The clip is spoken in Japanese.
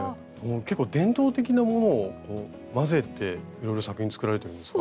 結構伝統的なものを混ぜていろいろ作品作られてるんですか？